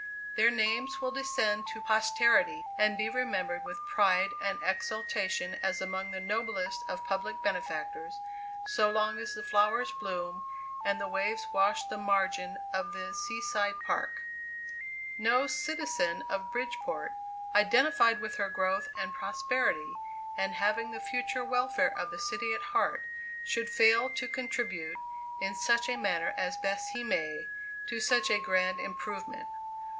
Their names will descend to posterity, and be remembered with pride and exultation as among the noblest of public benefactors, so long as the flowers bloom and the waves wash the margin of the Sea side Park. No citizen of Bridgeport, identified with her growth and prosperity, and having the future welfare of the city at heart, should fail to contribute, in such a manner as best he may, to such a grand improvement.